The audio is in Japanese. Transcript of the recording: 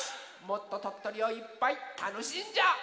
もっととっとりをいっぱいたのしんじゃおう！